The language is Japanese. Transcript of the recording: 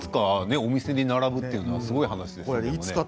お店に並ぶというのはすごい話ですね。